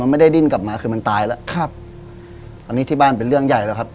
ไม่ได้ดิ้นกลับมาคือมันตายแล้วครับอันนี้ที่บ้านเป็นเรื่องใหญ่แล้วครับ